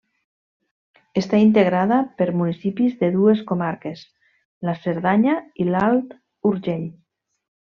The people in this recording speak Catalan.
Està integrada per municipis de dues comarques, la Cerdanya i l'Alt Urgell.